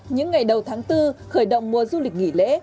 những ngày đầu tháng bốn khởi động mùa du lịch nghỉ lễ